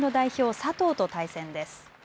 佐藤と対戦です。